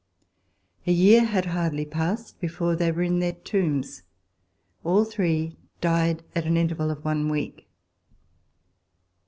A year had hardly passed before they were in their tombs. All three died at an interval of one week.